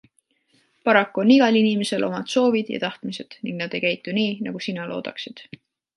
Paraku on igal inimesel omad soovid ja tahtmised ning nad ei käitu nii, nagu sina loodaksid.